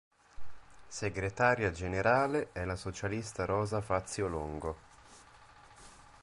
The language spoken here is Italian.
Segretaria generale è la socialista Rosa Fazio Longo.